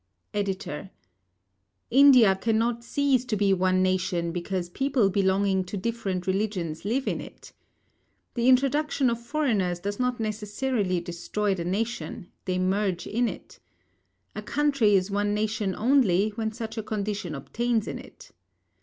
EDITOR: India cannot cease to be one nation because people belonging to different religions live in it. The introduction of foreigners does not necessarily destroy the nation, they merge in it. A country is one nation only when such a condition obtains in it.